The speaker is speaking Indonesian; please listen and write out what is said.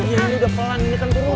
ini udah pelan ini kan turunan